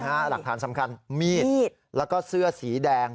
หลักฐานสำคัญมีดแล้วก็เสื้อสีแดง